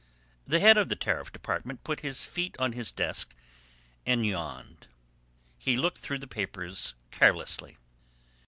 The head of the Tariff Department put his feet on his desk and yawned. He looked through the papers carelessly.